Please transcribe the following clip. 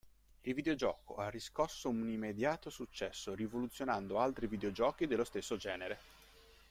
Il videogioco ha riscosso un immediato successo rivoluzionando altri videogiochi dello stesso genere.